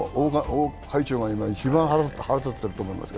会長が今、一番腹立っていると思いますよ。